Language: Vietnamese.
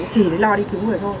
chỉ phải lo đi cứu người thôi